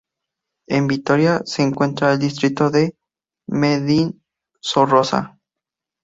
En Vitoria se encuentra el distrito de Mendizorroza.